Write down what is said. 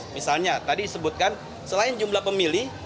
misalnya tadi disebutkan selain jumlah pemilih